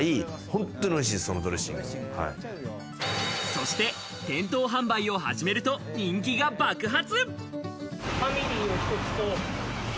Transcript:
そして店頭販売を始めると人気が爆発。